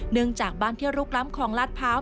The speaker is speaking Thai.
เนื่องจากบ้านเที่ยวรุกล้ำคลองลาดพร้าว